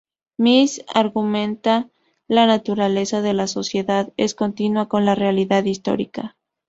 Mills argumenta que la naturaleza de la sociedad es continua con la realidad histórica.